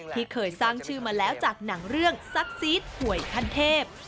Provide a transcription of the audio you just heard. ที่เคยสร้างชื่อมาแล้วจากหนังเรื่องซักซีดหวยคันเทพ